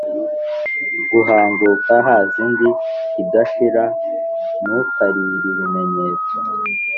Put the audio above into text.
guhanguka, haz’ ind’ idashirantukarir’ibimenyetso,